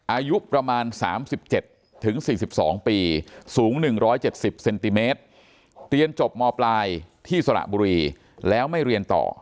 อายุประมาณ๓๗๔๒ปีสูง๑๗๐เซนติเมตรเรียนจบมปลายที่สระบุรีแล้วไม่เรียนต่อ